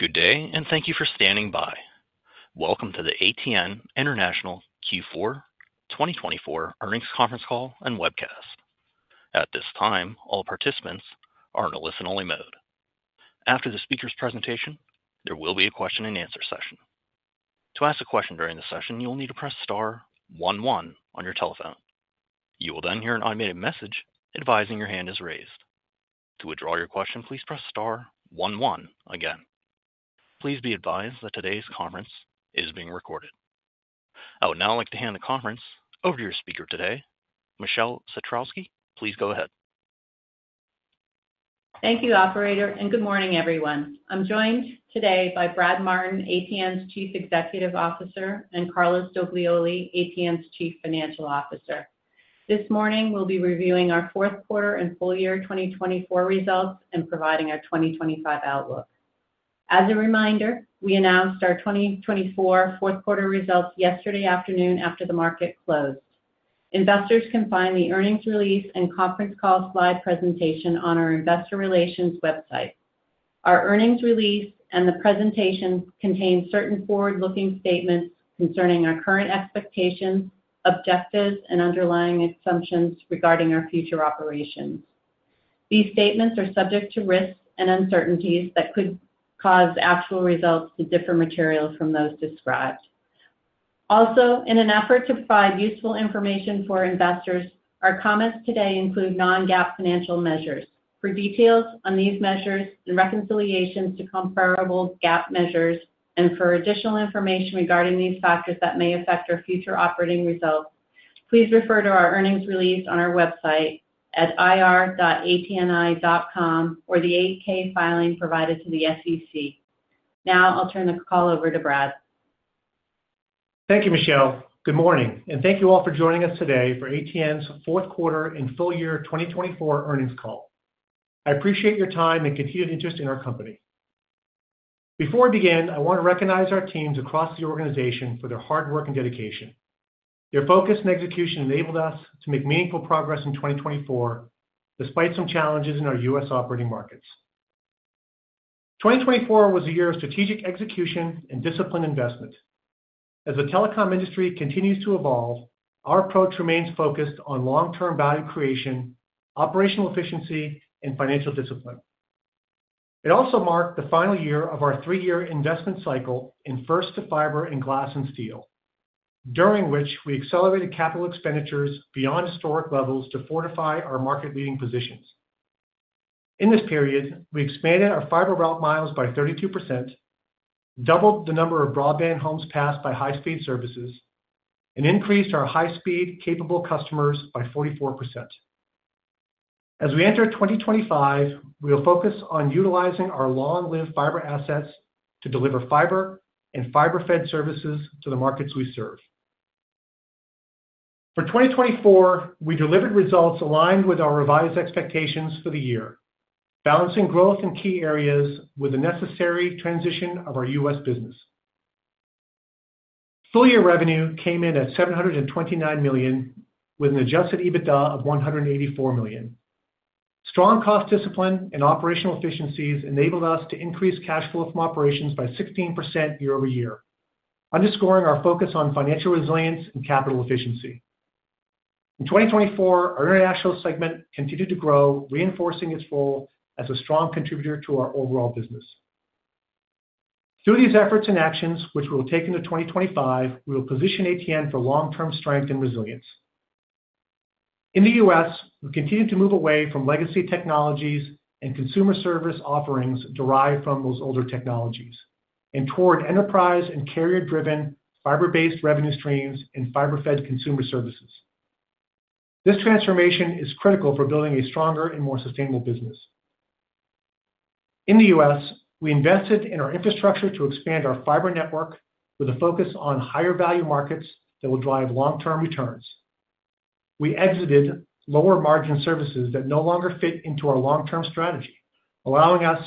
Good day, and thank you for standing by. Welcome to the ATN International Q4 2024 earnings conference call and webcast. At this time, all participants are in a listen-only mode. After the speaker's presentation, there will be a question-and-answer session. To ask a question during the session, you will need to press star one one on your telephone. You will then hear an automated message advising your hand is raised. To withdraw your question, please press Star 1-1 again. Please be advised that today's conference is being recorded. I would now like to hand the conference over to your speaker today, Michele Satrowsky. Please go ahead. Thank you, Operator, and good morning, everyone. I'm joined today by Brad Martin, ATN's Chief Executive Officer, and Carlos Doglioli, ATN's Chief Financial Officer. This morning, we'll be reviewing our fourth quarter and full year 2024 results and providing our 2025 outlook. As a reminder, we announced our 2024 fourth quarter results yesterday afternoon after the market closed. Investors can find the earnings release and conference call slide presentation on our Investor Relations website. Our earnings release and the presentation contain certain forward-looking statements concerning our current expectations, objectives, and underlying assumptions regarding our future operations. These statements are subject to risks and uncertainties that could cause actual results to differ materially from those described. Also, in an effort to provide useful information for investors, our comments today include non-GAAP financial measures. For details on these measures and reconciliations to comparable GAAP measures, and for additional information regarding these factors that may affect our future operating results, please refer to our earnings release on our website at ir-atni.com or the 8-K filing provided to the SEC. Now, I'll turn the call over to Brad. Thank you, Michelle. Good morning, and thank you all for joining us today for ATN's fourth quarter and full year 2024 earnings call. I appreciate your time and continued interest in our company. Before we begin, I want to recognize our teams across the organization for their hard work and dedication. Their focus and execution enabled us to make meaningful progress in 2024, despite some challenges in our U.S. operating markets. 2024 was a year of strategic execution and disciplined investment. As the telecom industry continues to evolve, our approach remains focused on long-term value creation, operational efficiency, and financial discipline. It also marked the final year of our three-year investment cycle in First-to-Fiber and Glass and Steel, during which we accelerated capital expenditures beyond historic levels to fortify our market-leading positions. In this period, we expanded our fiber route miles by 32%, doubled the number of broadband homes passed by high-speed services, and increased our high-speed capable customers by 44%. As we enter 2025, we will focus on utilizing our long-lived fiber assets to deliver fiber and fiber-fed services to the markets we serve. For 2024, we delivered results aligned with our revised expectations for the year, balancing growth in key areas with the necessary transition of our U.S. business. Full year revenue came in at $729 million, with an adjusted EBITDA of $184 million. Strong cost discipline and operational efficiencies enabled us to increase cash flow from operations by 16% year over year, underscoring our focus on financial resilience and capital efficiency. In 2024, our international segment continued to grow, reinforcing its role as a strong contributor to our overall business. Through these efforts and actions, which we will take into 2025, we will position ATN for long-term strength and resilience. In the U.S., we continue to move away from legacy technologies and consumer service offerings derived from those older technologies and toward enterprise and carrier-driven fiber-based revenue streams and fiber-fed consumer services. This transformation is critical for building a stronger and more sustainable business. In the U.S., we invested in our infrastructure to expand our fiber network with a focus on higher-value markets that will drive long-term returns. We exited lower-margin services that no longer fit into our long-term strategy, allowing us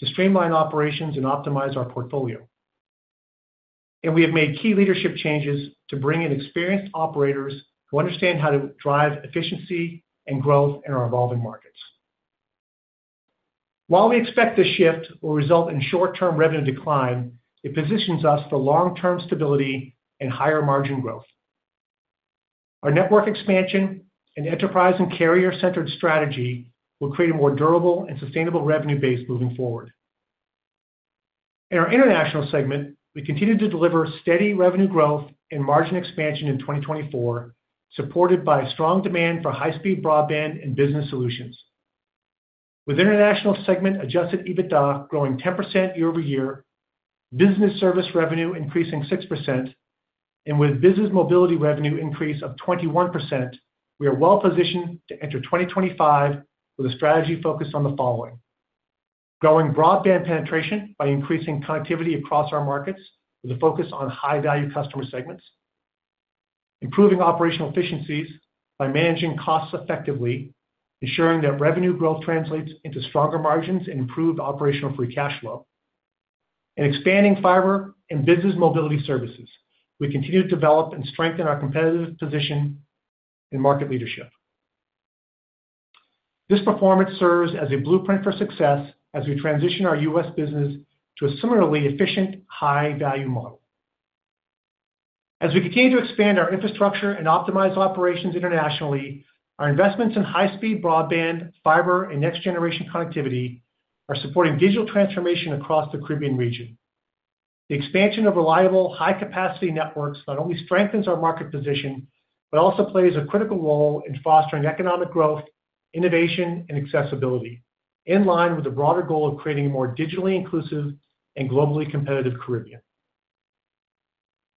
to streamline operations and optimize our portfolio. We have made key leadership changes to bring in experienced operators who understand how to drive efficiency and growth in our evolving markets. While we expect this shift will result in short-term revenue decline, it positions us for long-term stability and higher-margin growth. Our network expansion and enterprise and carrier-centered strategy will create a more durable and sustainable revenue base moving forward. In our international segment, we continue to deliver steady revenue growth and margin expansion in 2024, supported by strong demand for high-speed broadband and business solutions. With international segment adjusted EBITDA growing 10% year over year, business service revenue increasing 6%, and with business mobility revenue increase of 21%, we are well-positioned to enter 2025 with a strategy focused on the following: growing broadband penetration by increasing connectivity across our markets with a focus on high-value customer segments, improving operational efficiencies by managing costs effectively, ensuring that revenue growth translates into stronger margins and improved operational free cash flow, and expanding fiber and business mobility services. We continue to develop and strengthen our competitive position and market leadership. This performance serves as a blueprint for success as we transition our U.S. business to a similarly efficient, high-value model. As we continue to expand our infrastructure and optimize operations internationally, our investments in high-speed broadband, fiber, and next-generation connectivity are supporting digital transformation across the Caribbean region. The expansion of reliable, high-capacity networks not only strengthens our market position but also plays a critical role in fostering economic growth, innovation, and accessibility, in line with the broader goal of creating a more digitally inclusive and globally competitive Caribbean.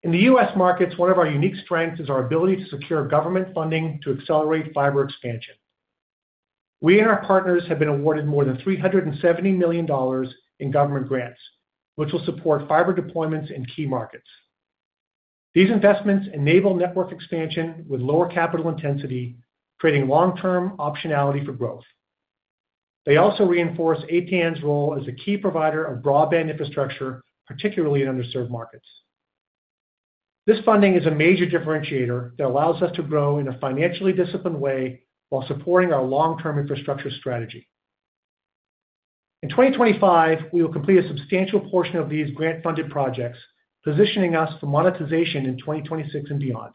In the U.S. markets, one of our unique strengths is our ability to secure government funding to accelerate fiber expansion. We and our partners have been awarded more than $370 million in government grants, which will support fiber deployments in key markets. These investments enable network expansion with lower capital intensity, creating long-term optionality for growth. They also reinforce ATN's role as a key provider of broadband infrastructure, particularly in underserved markets. This funding is a major differentiator that allows us to grow in a financially disciplined way while supporting our long-term infrastructure strategy. In 2025, we will complete a substantial portion of these grant-funded projects, positioning us for monetization in 2026 and beyond.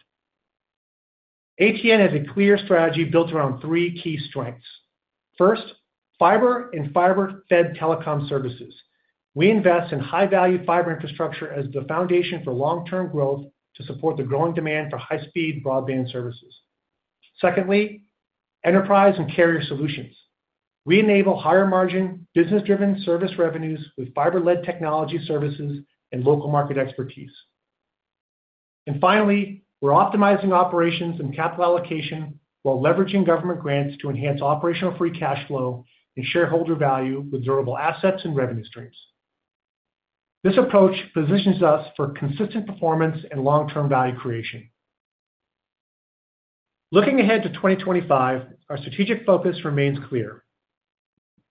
ATN has a clear strategy built around three key strengths. First, fiber and fiber-fed telecom services. We invest in high-value fiber infrastructure as the foundation for long-term growth to support the growing demand for high-speed broadband services. Secondly, enterprise and carrier solutions. We enable higher-margin, business-driven service revenues with fiber-led technology services and local market expertise. Finally, we're optimizing operations and capital allocation while leveraging government grants to enhance operational free cash flow and shareholder value with durable assets and revenue streams. This approach positions us for consistent performance and long-term value creation. Looking ahead to 2025, our strategic focus remains clear: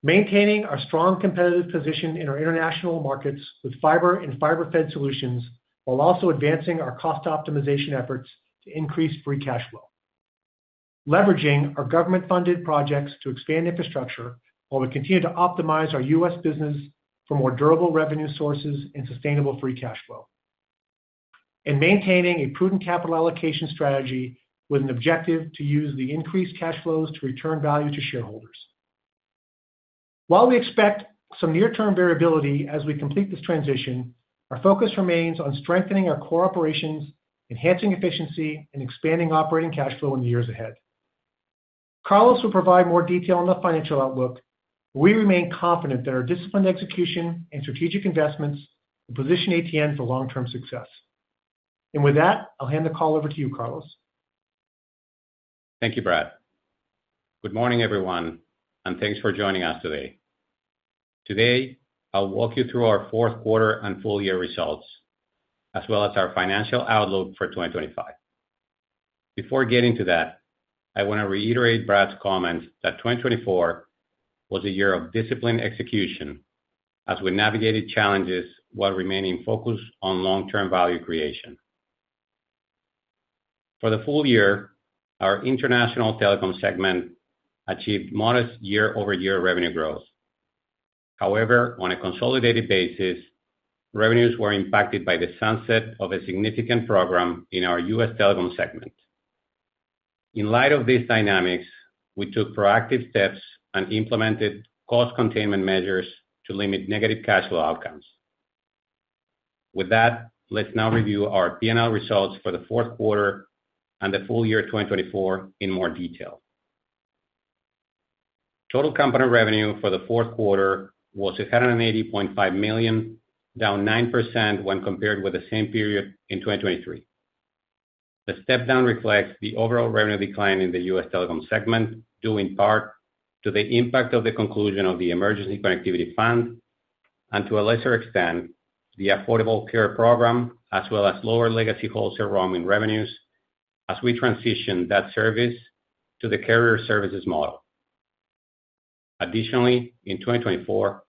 maintaining our strong competitive position in our international markets with fiber and fiber-fed solutions, while also advancing our cost optimization efforts to increase free cash flow, leveraging our government-funded projects to expand infrastructure while we continue to optimize our U.S. business for more durable revenue sources and sustainable free cash flow, and maintaining a prudent capital allocation strategy with an objective to use the increased cash flows to return value to shareholders. While we expect some near-term variability as we complete this transition, our focus remains on strengthening our core operations, enhancing efficiency, and expanding operating cash flow in the years ahead. Carlos will provide more detail on the financial outlook. We remain confident that our disciplined execution and strategic investments will position ATN for long-term success. With that, I'll hand the call over to you, Carlos. Thank you, Brad. Good morning, everyone, and thanks for joining us today. Today, I'll walk you through our fourth quarter and full year results, as well as our financial outlook for 2025. Before getting to that, I want to reiterate Brad's comments that 2024 was a year of disciplined execution as we navigated challenges while remaining focused on long-term value creation. For the full year, our international telecom segment achieved modest year-over-year revenue growth. However, on a consolidated basis, revenues were impacted by the sunset of a significant program in our U.S. telecom segment. In light of these dynamics, we took proactive steps and implemented cost containment measures to limit negative cash flow outcomes. With that, let's now review our P&L results for the fourth quarter and the full year 2024 in more detail. Total company revenue for the fourth quarter was $180.5 million, down 9% when compared with the same period in 2023. The step-down reflects the overall revenue decline in the U.S. telecom segment, due in part to the impact of the conclusion of the Emergency Connectivity Fund and, to a lesser extent, the Affordable Connectivity Program, as well as lower legacy wholesale roaming revenues as we transitioned that service to the carrier services model. Additionally, in 2024,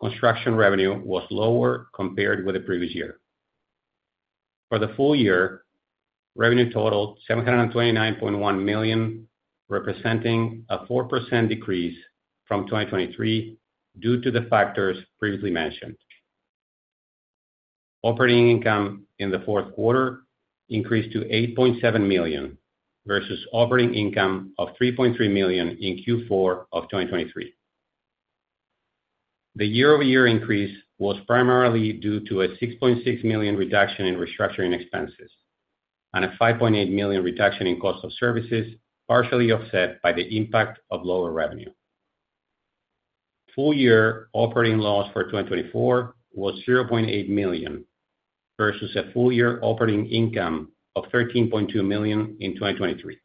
construction revenue was lower compared with the previous year. For the full year, revenue totaled $729.1 million, representing a 4% decrease from 2023 due to the factors previously mentioned. Operating income in the fourth quarter increased to $8.7 million versus operating income of $3.3 million in Q4 of 2023. The year-over-year increase was primarily due to a $6.6 million reduction in restructuring expenses and a $5.8 million reduction in cost of services, partially offset by the impact of lower revenue. Full-year operating loss for 2024 was $0.8 million versus a full-year operating income of $13.2 million in 2023.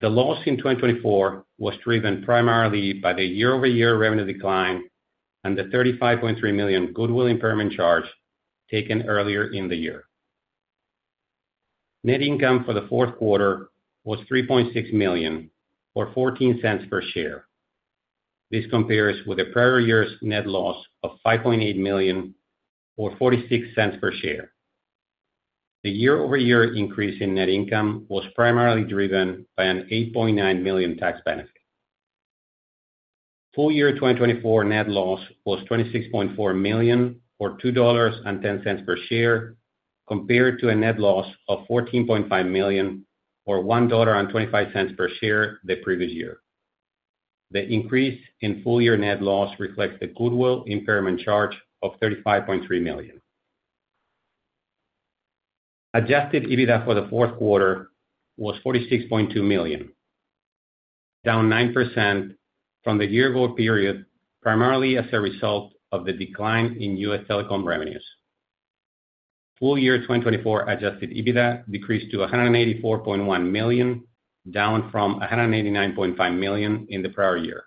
The loss in 2024 was driven primarily by the year-over-year revenue decline and the $35.3 million goodwill impairment charge taken earlier in the year. Net income for the fourth quarter was $3.6 million, or $0.14 per share. This compares with the prior year's net loss of $5.8 million, or $0.46 per share. The year-over-year increase in net income was primarily driven by an $8.9 million tax benefit. Full-year 2024 net loss was $26.4 million, or $2.10 per share, compared to a net loss of $14.5 million, or $1.25 per share the previous year. The increase in full-year net loss reflects the goodwill impairment charge of $35.3 million. Adjusted EBITDA for the fourth quarter was $46.2 million, down 9% from the year-over-year period, primarily as a result of the decline in U.S. telecom revenues. Full-year 2024 adjusted EBITDA decreased to $184.1 million, down from $189.5 million in the prior year.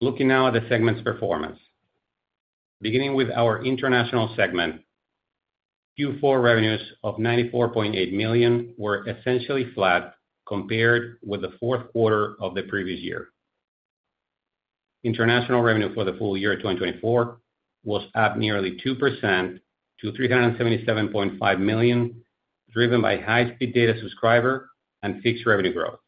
Looking now at the segment's performance, beginning with our international segment, Q4 revenues of $94.8 million were essentially flat compared with the fourth quarter of the previous year. International revenue for the full year 2024 was up nearly 2% to $377.5 million, driven by high-speed data subscriber and fixed revenue growth.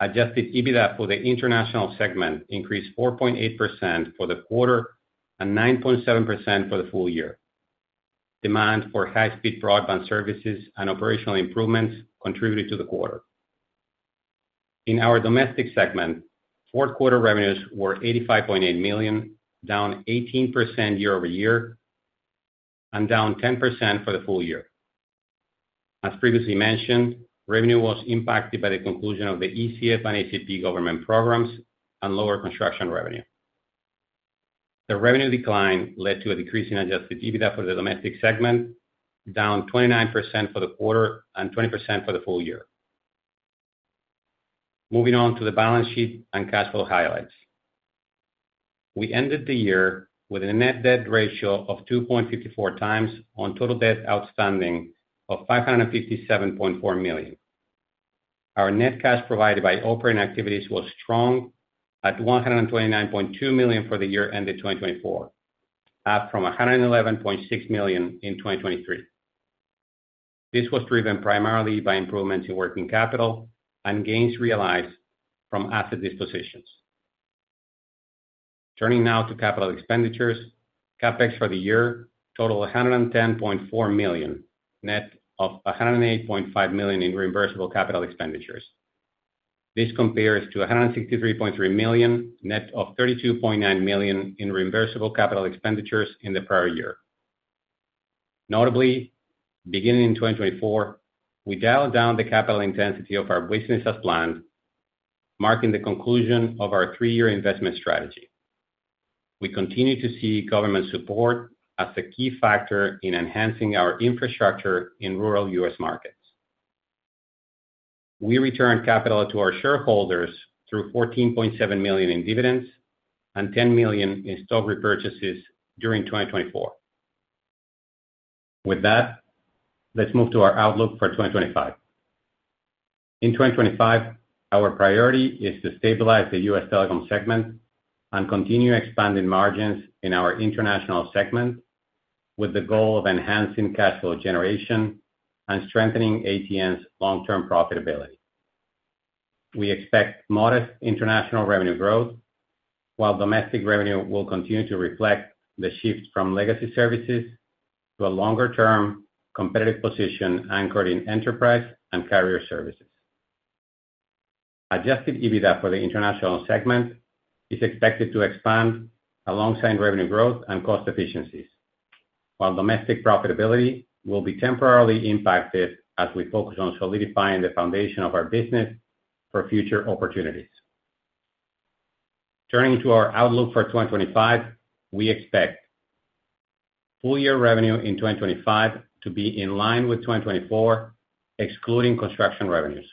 Adjusted EBITDA for the international segment increased 4.8% for the quarter and 9.7% for the full year. Demand for high-speed broadband services and operational improvements contributed to the quarter. In our domestic segment, fourth quarter revenues were $85.8 million, down 18% year-over-year and down 10% for the full year. As previously mentioned, revenue was impacted by the conclusion of the ECF and ACP government programs and lower construction revenue. The revenue decline led to a decrease in adjusted EBITDA for the domestic segment, down 29% for the quarter and 20% for the full year. Moving on to the balance sheet and cash flow highlights. We ended the year with a net debt ratio of 2.54 times on total debt outstanding of $557.4 million. Our net cash provided by operating activities was strong at $129.2 million for the year ended 2024, up from $111.6 million in 2023. This was driven primarily by improvements in working capital and gains realized from asset dispositions. Turning now to capital expenditures, CapEx for the year totaled $110.4 million, net of $108.5 million in reimbursable capital expenditures. This compares to $163.3 million, net of $32.9 million in reimbursable capital expenditures in the prior year. Notably, beginning in 2024, we dialed down the capital intensity of our business as planned, marking the conclusion of our three-year investment strategy. We continue to see government support as a key factor in enhancing our infrastructure in rural U.S. markets. We returned capital to our shareholders through $14.7 million in dividends and $10 million in stock repurchases during 2024. With that, let's move to our outlook for 2025. In 2025, our priority is to stabilize the U.S. telecom segment and continue expanding margins in our international segment with the goal of enhancing cash flow generation and strengthening ATN's long-term profitability. We expect modest international revenue growth, while domestic revenue will continue to reflect the shift from legacy services to a longer-term competitive position anchored in enterprise and carrier services. Adjusted EBITDA for the international segment is expected to expand alongside revenue growth and cost efficiencies, while domestic profitability will be temporarily impacted as we focus on solidifying the foundation of our business for future opportunities. Turning to our outlook for 2025, we expect full-year revenue in 2025 to be in line with 2024, excluding construction revenues.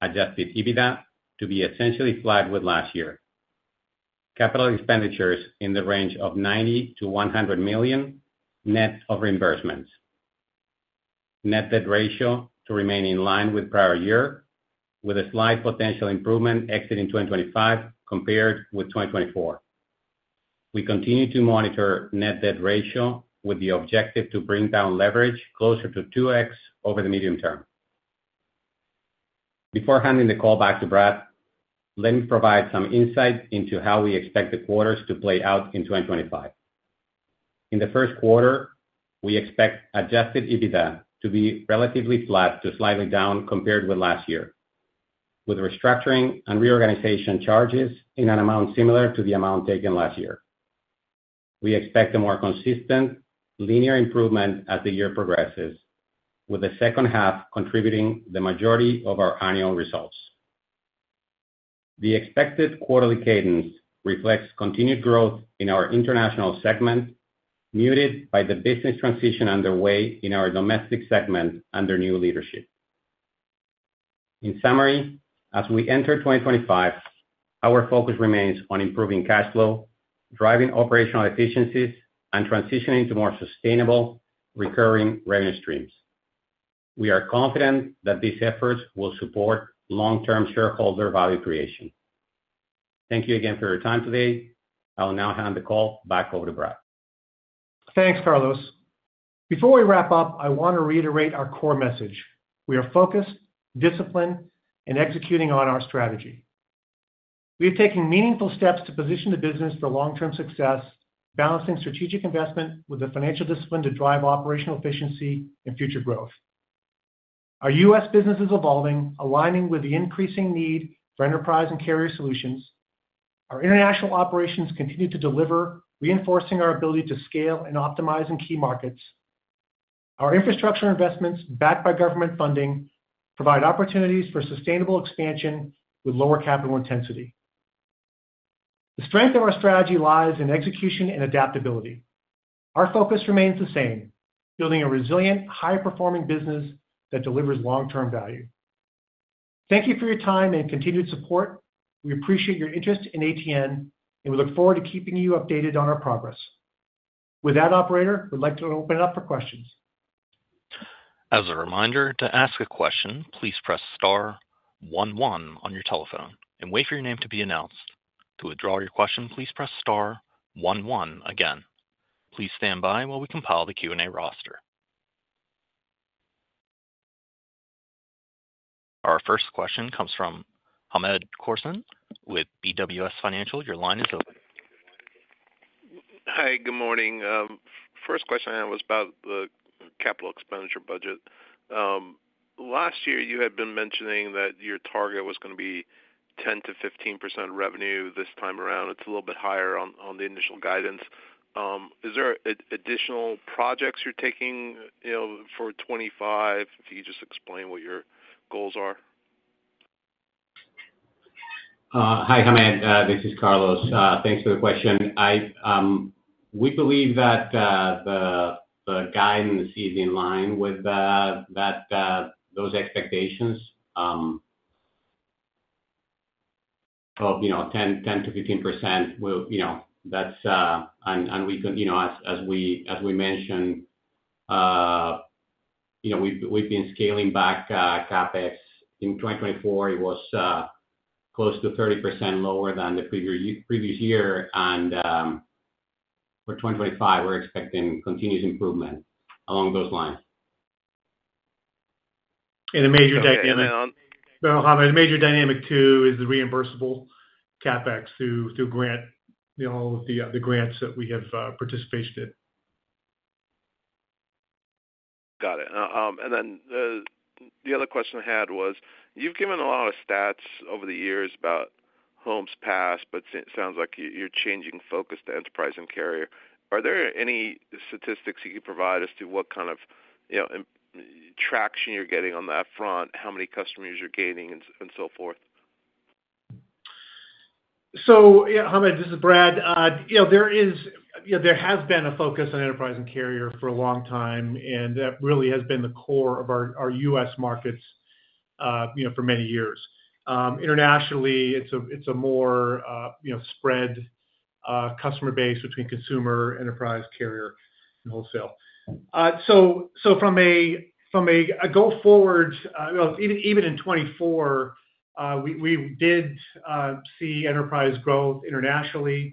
Adjusted EBITDA to be essentially flat with last year. Capital expenditures in the range of $90-$100 million, net of reimbursements. Net debt ratio to remain in line with prior year, with a slight potential improvement exiting 2025 compared with 2024. We continue to monitor net debt ratio with the objective to bring down leverage closer to 2x over the medium term. Before handing the call back to Brad, let me provide some insight into how we expect the quarters to play out in 2025. In the first quarter, we expect adjusted EBITDA to be relatively flat to slightly down compared with last year, with restructuring and reorganization charges in an amount similar to the amount taken last year. We expect a more consistent linear improvement as the year progresses, with the second half contributing the majority of our annual results. The expected quarterly cadence reflects continued growth in our international segment, muted by the business transition underway in our domestic segment under new leadership. In summary, as we enter 2025, our focus remains on improving cash flow, driving operational efficiencies, and transitioning to more sustainable recurring revenue streams. We are confident that these efforts will support long-term shareholder value creation. Thank you again for your time today. I'll now hand the call back over to Brad. Thanks, Carlos. Before we wrap up, I want to reiterate our core message. We are focused, disciplined, and executing on our strategy. We are taking meaningful steps to position the business for long-term success, balancing strategic investment with the financial discipline to drive operational efficiency and future growth. Our U.S. business is evolving, aligning with the increasing need for enterprise and carrier solutions. Our international operations continue to deliver, reinforcing our ability to scale and optimize in key markets. Our infrastructure investments, backed by government funding, provide opportunities for sustainable expansion with lower capital intensity. The strength of our strategy lies in execution and adaptability. Our focus remains the same: building a resilient, high-performing business that delivers long-term value. Thank you for your time and continued support. We appreciate your interest in ATN, and we look forward to keeping you updated on our progress. With that, Operator, we'd like to open it up for questions. As a reminder, to ask a question, please press star one one on your telephone and wait for your name to be announced. To withdraw your question, please press star one one again. Please stand by while we compile the Q&A roster. Our first question comes from Hamed Khorsand with BWS Financial. Your line is open. Hi, good morning. First question I have was about the capital expenditure budget. Last year, you had been mentioning that your target was going to be 10%-15% revenue this time around. It's a little bit higher on the initial guidance. Is there additional projects you're taking for 2025? If you could just explain what your goals are. Hi, Hamed. This is Carlos. Thanks for the question. We believe that the guidance is in line with those expectations of 10%-15%. As we mentioned, we've been scaling back CapEx. In 2024, it was close to 30% lower than the previous year. For 2025, we're expecting continuous improvement along those lines. A major dynamic too is the reimbursable CapEx through grants, the grants that we have participation in. Got it. The other question I had was, you've given a lot of stats over the years about homes passed, but it sounds like you're changing focus to enterprise and carrier. Are there any statistics you could provide as to what kind of traction you're getting on that front, how many customers you're gaining, and so forth? Yeah, Hamed, this is Brad. There has been a focus on enterprise and carrier for a long time, and that really has been the core of our U.S. markets for many years. Internationally, it's a more spread customer base between consumer, enterprise, carrier, and wholesale. From a go-forward, even in 2024, we did see enterprise growth internationally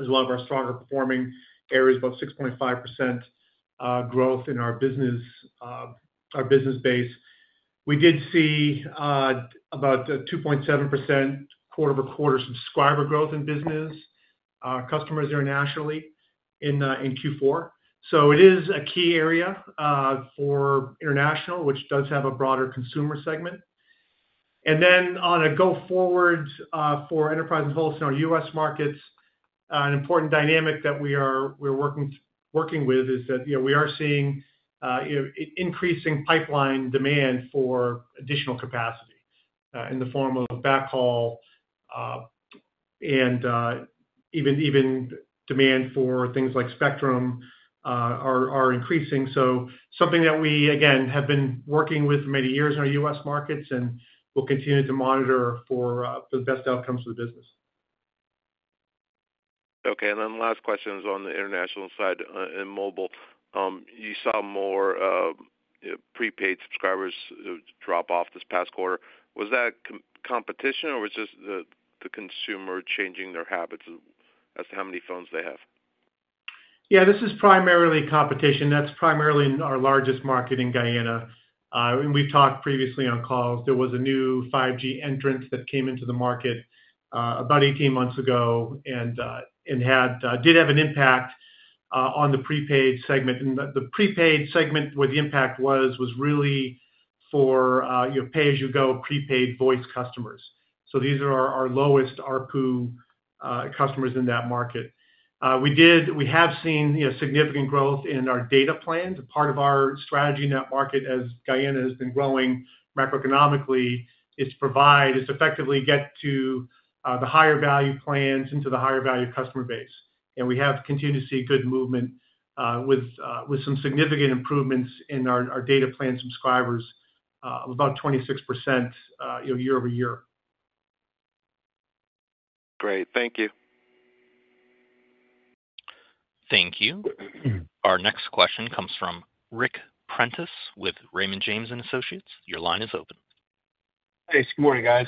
as one of our stronger performing areas, about 6.5% growth in our business base. We did see about 2.7% quarter-over-quarter subscriber growth in business customers internationally in Q4. It is a key area for international, which does have a broader consumer segment. On a go-forward for enterprise and wholesale in our U.S. markets, an important dynamic that we are working with is that we are seeing increasing pipeline demand for additional capacity in the form of backhaul and even demand for things like spectrum are increasing. Something that we, again, have been working with for many years in our U.S. markets and will continue to monitor for the best outcomes for the business. Okay. The last question is on the international side and mobile. You saw more prepaid subscribers drop off this past quarter. Was that competition, or was it just the consumer changing their habits as to how many phones they have? Yeah, this is primarily competition. That's primarily in our largest market in Guyana. We have talked previously on calls. There was a new 5G entrant that came into the market about 18 months ago and did have an impact on the prepaid segment. The prepaid segment where the impact was as really for pay-as-you-go prepaid voice customers. These are our lowest RPU customers in that market. We have seen significant growth in our data plans. Part of our strategy in that market, as Guyana has been growing macroeconomically, is to provide, is to effectively get to the higher value plans into the higher value customer base. We have continued to see good movement with some significant improvements in our data plan subscribers of about 26% year over year. Great. Thank you. Thank you. Our next question comes from Ric Prentiss with Raymond James & Associates. Your line is open. Hey. Good morning, guys.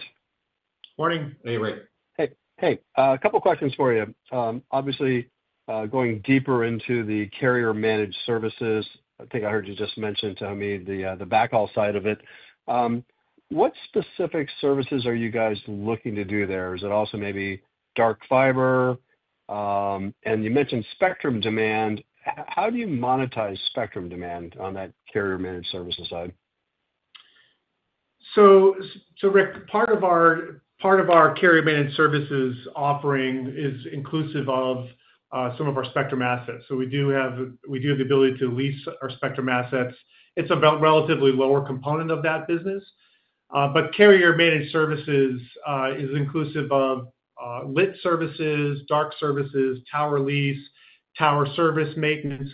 Morning. Hey, Ric. Hey. Hey. A couple of questions for you. Obviously, going deeper into the carrier-managed services, I think I heard you just mention to me the backhaul side of it. What specific services are you guys looking to do there? Is it also maybe dark fiber? You mentioned spectrum demand. How do you monetize spectrum demand on that carrier-managed services side? Ric, part of our carrier-managed services offering is inclusive of some of our spectrum assets. We do have the ability to lease our spectrum assets. It is a relatively lower component of that business. Carrier-managed services is inclusive of lit services, dark services, tower lease, tower service maintenance,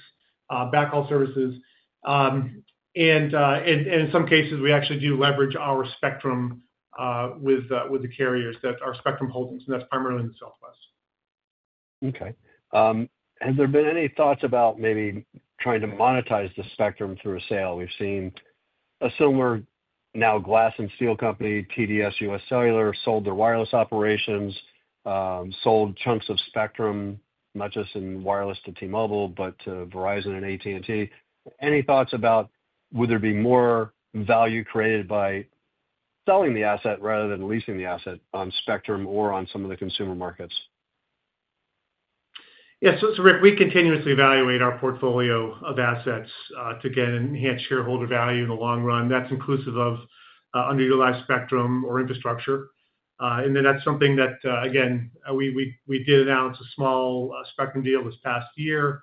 backhaul services. In some cases, we actually do leverage our spectrum with the carriers that are spectrum holdings, and that is primarily in the Southwest. Okay. Has there been any thoughts about maybe trying to monetize the spectrum through a sale? We've seen a similar, now glass and steel company, TDS, U.S. Cellular, sold their wireless operations, sold chunks of spectrum, not just in wireless to T-Mobile, but to Verizon and AT&T. Any thoughts about would there be more value created by selling the asset rather than leasing the asset on spectrum or on some of the consumer markets? Yeah. Ric, we continuously evaluate our portfolio of assets to, again, enhance shareholder value in the long run. That is inclusive of underutilized spectrum or infrastructure. That is something that, again, we did announce a small spectrum deal this past year.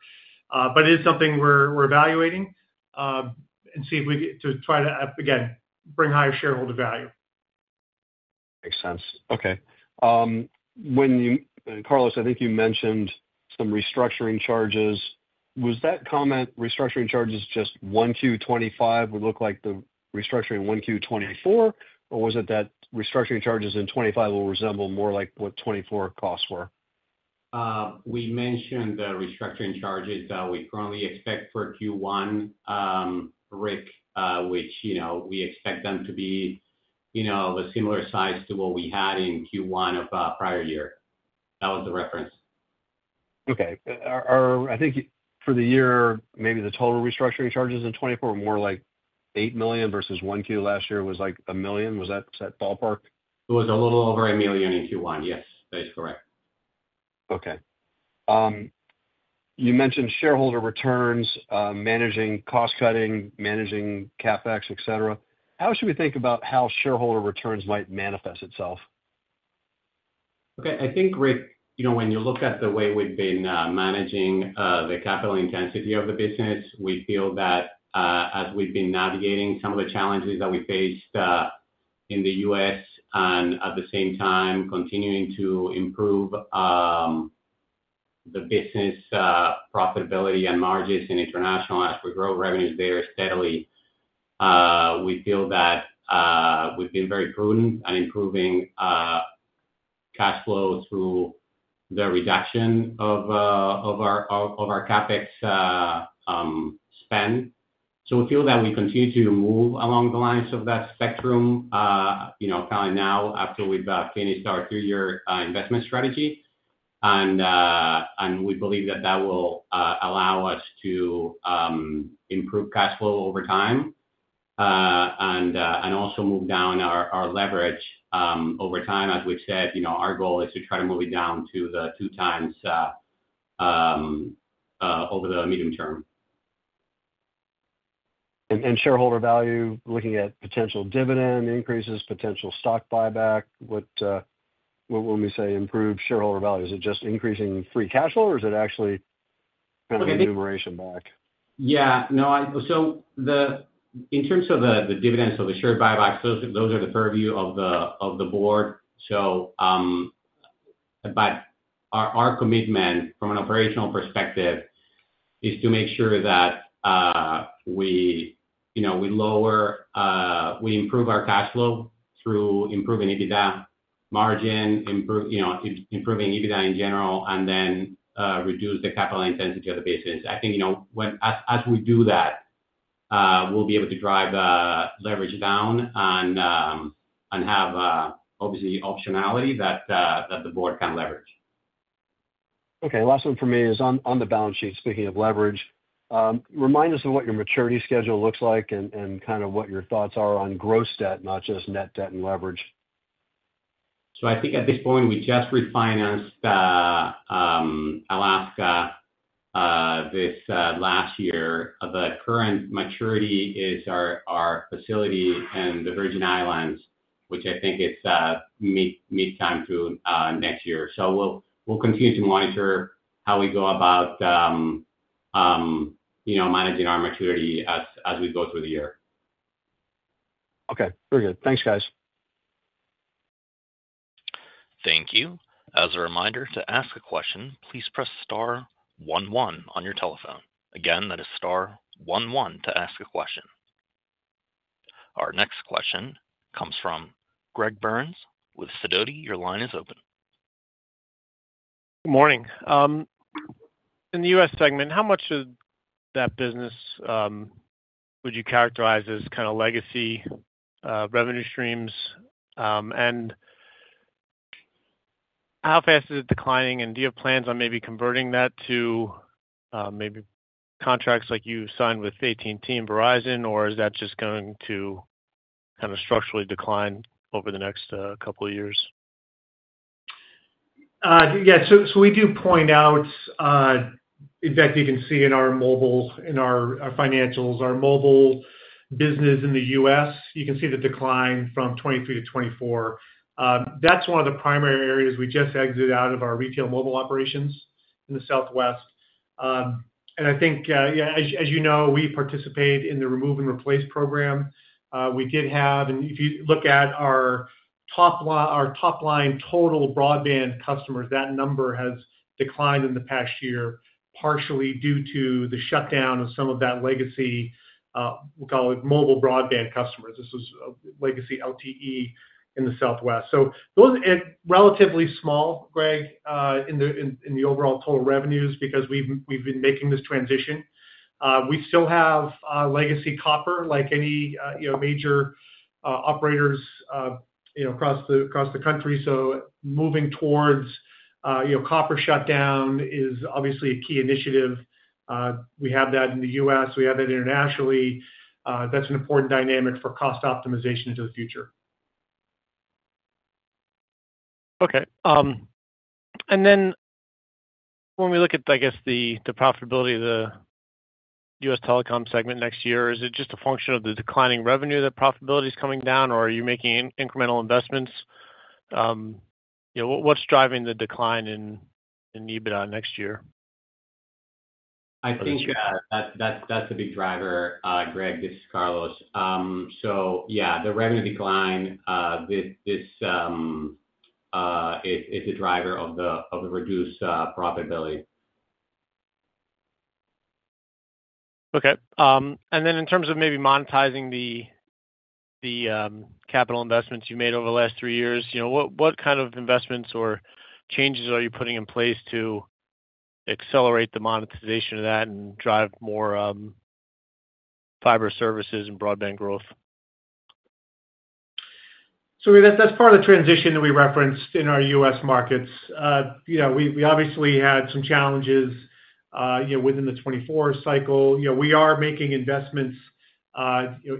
It is something we are evaluating and see if we get to try to, again, bring higher shareholder value. Makes sense. Okay. Carlos, I think you mentioned some restructuring charges. Was that comment, restructuring charges just 1Q 2025 would look like the restructuring 1Q 2024, or was it that restructuring charges in 2025 will resemble more like what 2024 costs were? We mentioned the restructuring charges that we currently expect for Q1, Ric, which we expect them to be of a similar size to what we had in Q1 of prior year. That was the reference. Okay. I think for the year, maybe the total restructuring charges in 2024 were more like $8 million versus first quarter last year was like $1 million. Was that ballpark? It was a little over $1 million in Q1. Yes, that is correct. Okay. You mentioned shareholder returns, managing cost cutting, managing CapEx, etc. How should we think about how shareholder returns might manifest itself? Okay. I think, Ric, when you look at the way we've been managing the capital intensity of the business, we feel that as we've been navigating some of the challenges that we faced in the U.S. and at the same time continuing to improve the business profitability and margins in international as we grow revenues there steadily, we feel that we've been very prudent in improving cash flow through the reduction of our CapEx spend. We feel that we continue to move along the lines of that spectrum kind of now after we've finished our three-year investment strategy. We believe that that will allow us to improve cash flow over time and also move down our leverage over time. As we've said, our goal is to try to move it down to the two times over the medium term. Shareholder value, looking at potential dividend increases, potential stock buyback, what when we say improved shareholder value, is it just increasing free cash flow or is it actually kind of remuneration back? Yeah. No. In terms of the dividends or the share buyback, those are the purview of the board. Our commitment from an operational perspective is to make sure that we lower, we improve our cash flow through improving EBITDA margin, improving EBITDA in general, and then reduce the capital intensity of the business. I think as we do that, we'll be able to drive leverage down and have obviously optionality that the board can leverage. Okay. Last one for me is on the balance sheet, speaking of leverage. Remind us of what your maturity schedule looks like and kind of what your thoughts are on gross debt, not just net debt and leverage. I think at this point, we just refinanced Alaska this last year. The current maturity is our facility in the Virgin Islands, which I think is midtime next year. We will continue to monitor how we go about managing our maturity as we go through the year. Okay. Very good. Thanks, guys. Thank you. As a reminder to ask a question, please press star one one on your telephone. Again, that is star one one to ask a question. Our next question comes from Greg Burns with Sidoti. Your line is open. Good morning. In the U.S. segment, how much of that business would you characterize as kind of legacy revenue streams? How fast is it declining? Do you have plans on maybe converting that to maybe contracts like you signed with AT&T and Verizon, or is that just going to kind of structurally decline over the next couple of years? Yeah. We do point out, in fact, you can see in our mobile, in our financials, our mobile business in the U.S., you can see the decline from 2023 to 2024. That is one of the primary areas. We just exited out of our retail mobile operations in the Southwest. I think, yeah, as you know, we participate in the remove and replace program. We did have, and if you look at our top line total broadband customers, that number has declined in the past year partially due to the shutdown of some of that legacy, we'll call it mobile broadband customers. This was legacy LTE in the Southwest. It is relatively small, Greg, in the overall total revenues because we have been making this transition. We still have legacy copper like any major operators across the country. Moving towards copper shutdown is obviously a key initiative. We have that in the U.S. We have that internationally. That's an important dynamic for cost optimization into the future. Okay. When we look at, I guess, the profitability of the U.S. telecom segment next year, is it just a function of the declining revenue that profitability is coming down, or are you making incremental investments? What's driving the decline in EBITDA next year? I think that's a big driver, Greg, this is Carlos. Yeah, the revenue decline, this is a driver of the reduced profitability. Okay. In terms of maybe monetizing the capital investments you made over the last three years, what kind of investments or changes are you putting in place to accelerate the monetization of that and drive more fiber services and broadband growth? That's part of the transition that we referenced in our U.S. markets. We obviously had some challenges within the 2024 cycle. We are making investments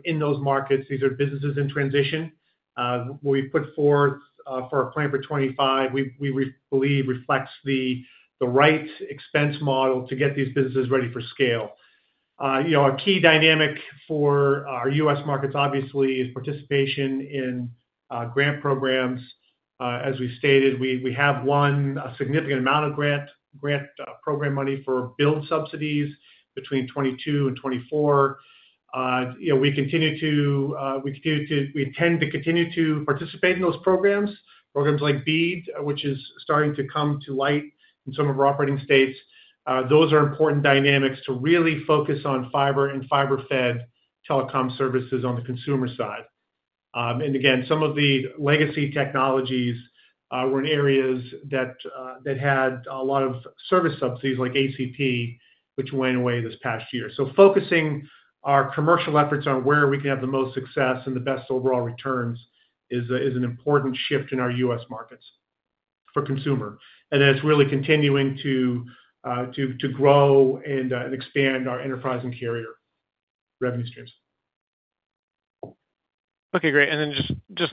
in those markets. These are businesses in transition. What we put forth for our plan for 2025, we believe reflects the right expense model to get these businesses ready for scale. A key dynamic for our U.S. markets, obviously, is participation in grant programs. As we stated, we have won a significant amount of grant program money for build subsidies between 2022 and 2024. We continue to, we tend to continue to participate in those programs, programs like BEAD, which is starting to come to light in some of our operating states. Those are important dynamics to really focus on fiber and fiber-fed telecom services on the consumer side. Some of the legacy technologies were in areas that had a lot of service subsidies like ACP, which went away this past year. Focusing our commercial efforts on where we can have the most success and the best overall returns is an important shift in our U.S. markets for consumer. It is really continuing to grow and expand our enterprise and carrier revenue streams. Okay. Great.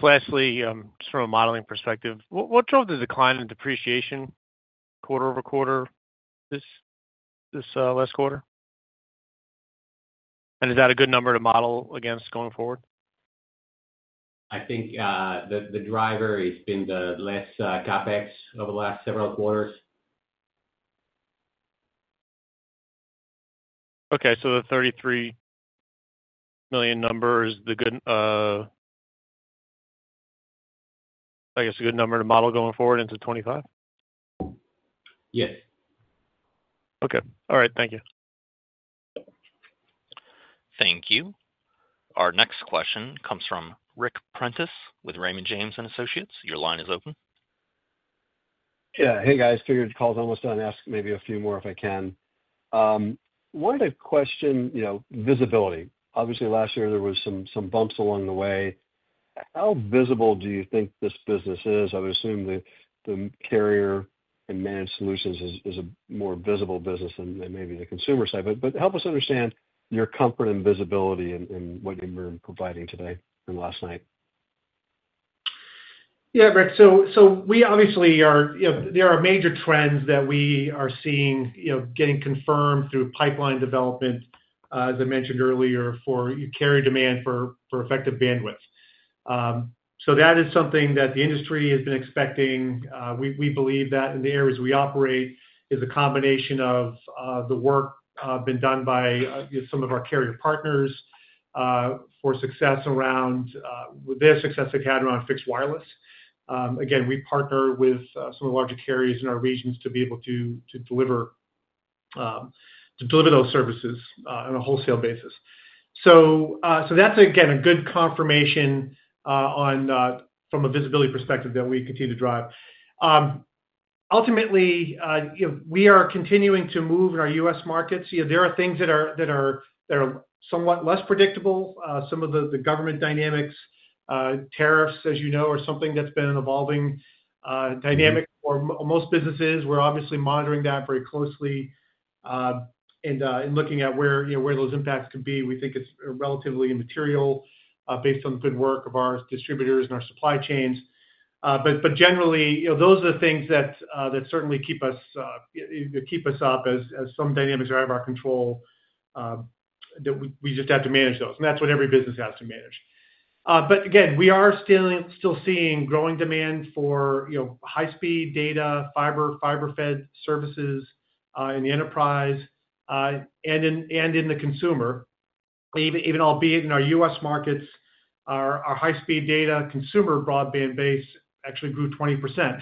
Lastly, just from a modeling perspective, what drove the decline in depreciation quarter over quarter this last quarter? Is that a good number to model against going forward? I think the driver has been the less CapEx over the last several quarters. Okay. So the $33 million number is the good, I guess, a good number to model going forward into 2025? Yes. Okay. All right. Thank you. Thank you. Our next question comes from Ric Prentiss with Raymond James & Associates. Your line is open. Yeah. Hey, guys. Figure the call's almost done. Ask maybe a few more if I can. One other question, visibility. Obviously, last year there were some bumps along the way. How visible do you think this business is? I would assume the carrier and managed solutions is a more visible business than maybe the consumer side. Help us understand your comfort and visibility in what you've been providing today and last night. Yeah, Ric. We obviously are, there are major trends that we are seeing getting confirmed through pipeline development, as I mentioned earlier, for carrier demand for effective bandwidth. That is something that the industry has been expecting. We believe that in the areas we operate is a combination of the work being done by some of our carrier partners for success around their success they've had around fixed wireless. Again, we partner with some of the larger carriers in our regions to be able to deliver those services on a wholesale basis. That's, again, a good confirmation from a visibility perspective that we continue to drive. Ultimately, we are continuing to move in our U.S. markets. There are things that are somewhat less predictable. Some of the government dynamics, tariffs, as you know, are something that's been an evolving dynamic for most businesses. We're obviously monitoring that very closely and looking at where those impacts could be. We think it's relatively immaterial based on the good work of our distributors and our supply chains. Generally, those are the things that certainly keep us up as some dynamics are out of our control that we just have to manage those. That's what every business has to manage. Again, we are still seeing growing demand for high-speed data, fiber, fiber-fed services in the enterprise and in the consumer. Even albeit in our U.S. markets, our high-speed data consumer broadband base actually grew 20%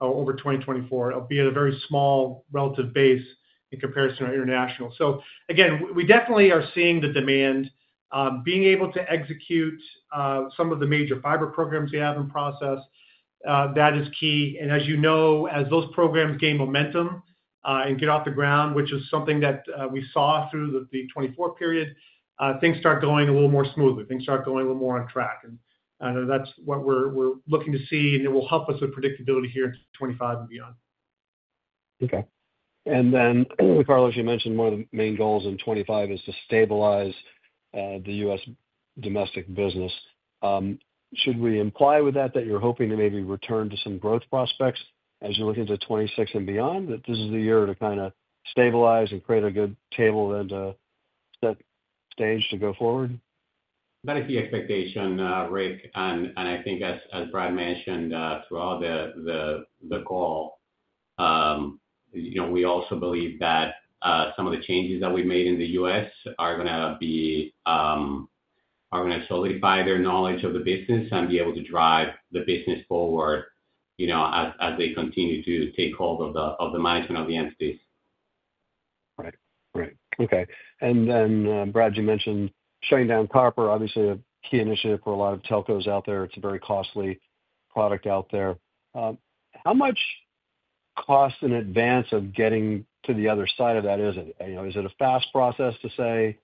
over 2024, albeit a very small relative base in comparison to our international. Again, we definitely are seeing the demand. Being able to execute some of the major fiber programs we have in process, that is key. As you know, as those programs gain momentum and get off the ground, which is something that we saw through the 2024 period, things start going a little more smoothly. Things start going a little more on track. That is what we are looking to see. It will help us with predictability here in 2025 and beyond. Okay. Carlos, you mentioned one of the main goals in 2025 is to stabilize the U.S. domestic business. Should we imply with that that you're hoping to maybe return to some growth prospects as you look into 2026 and beyond, that this is the year to kind of stabilize and create a good table and set stage to go forward? That is the expectation, Ric. I think, as Brad mentioned throughout the call, we also believe that some of the changes that we have made in the U.S. are going to solidify their knowledge of the business and be able to drive the business forward as they continue to take hold of the management of the entities. Right. Right. Okay. Brad, you mentioned shutting down copper, obviously a key initiative for a lot of telcos out there. It's a very costly product out there. How much cost in advance of getting to the other side of that is it? Is it a fast process to say,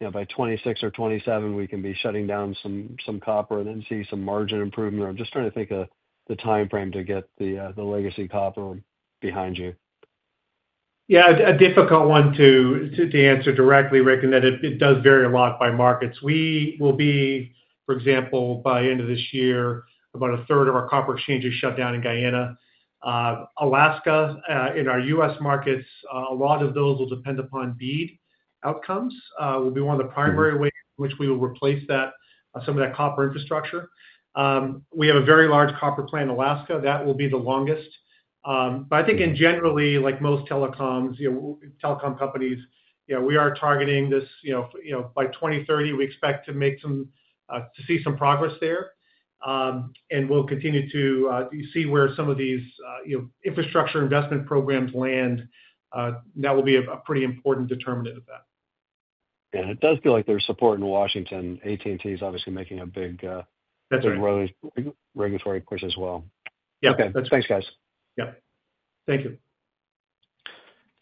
by 2026 or 2027, we can be shutting down some copper and then see some margin improvement? I'm just trying to think of the timeframe to get the legacy copper behind you. Yeah. A difficult one to answer directly, Ric, in that it does vary a lot by markets. We will be, for example, by the end of this year, about a third of our copper exchanges shut down in Guyana. Alaska, in our U.S. markets, a lot of those will depend upon BEAD outcomes. Will be one of the primary ways in which we will replace some of that copper infrastructure. We have a very large copper plant in Alaska. That will be the longest. I think, and generally, like most telecom companies, we are targeting this by 2030. We expect to see some progress there. We will continue to see where some of these infrastructure investment programs land. That will be a pretty important determinant of that. Yeah. It does feel like there's support in Washington. AT&T is obviously making a big regulatory push as well. Yeah. Okay. Thanks, guys. Yeah. Thank you.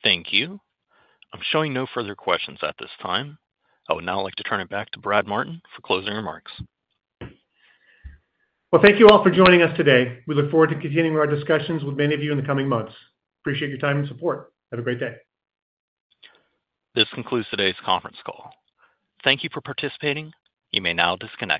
Thank you. I'm showing no further questions at this time. I would now like to turn it back to Brad Martin for closing remarks. Thank you all for joining us today. We look forward to continuing our discussions with many of you in the coming months. Appreciate your time and support. Have a great day. This concludes today's conference call. Thank you for participating. You may now disconnect.